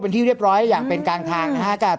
พี่ปั๊ดเดี๋ยวมาที่ร้องให้